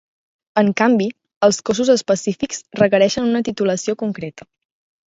En canvi, els cossos específics requereixen una titulació concreta.